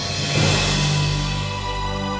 aku tahu aku harus hanya jalan pulang